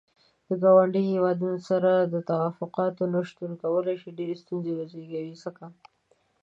د ګاونډيو هيوادونو سره د تووافقاتو نه شتون کولاي شي ډيرې ستونزې وزيږوي ځکه.